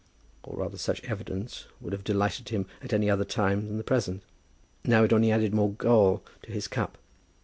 Or rather, such evidence would have delighted him at any other time than the present. Now it only added more gall to his cup.